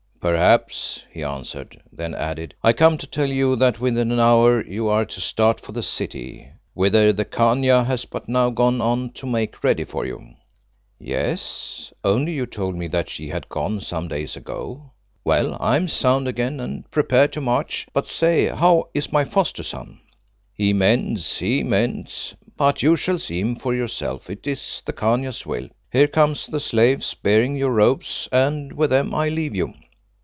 "Perhaps," he answered, then added, "I come to tell you that within an hour you are to start for the city, whither the Khania has but now gone on to make ready for you." "Yes; only you told me that she had gone some days ago. Well, I am sound again and prepared to march, but say, how is my foster son?" "He mends, he mends. But you shall see him for yourself. It is the Khania's will. Here come the slaves bearing your robes, and with them I leave you."